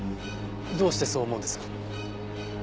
どうしてそう思うんです？